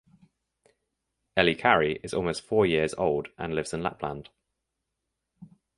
Elle Kari is almost four years old and lives in Lapland.